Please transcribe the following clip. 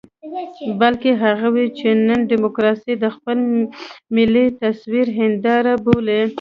بلکې هغوی چې نن ډيموکراسي د خپل ملي تصوير هنداره بولي.